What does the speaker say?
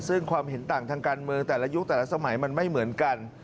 ซึ่งความเห็นต่างทางการเมืองแต่ละยุคแต่ละสมัยมันไม่เหมือนกัน